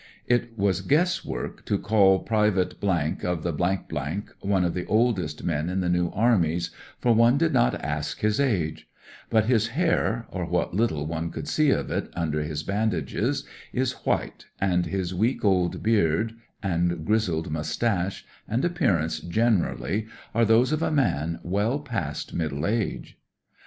It was guesswork to call Pte , of the th s, one of the oldest men in the New Armies, for one did not ask his age but his hair, or what httle one could see of it under his bandages, is white, and his week old beard and grizzled moustache and appearance generally are those of a man well past middle age.